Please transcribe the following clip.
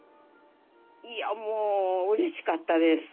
いやもううれしかったです。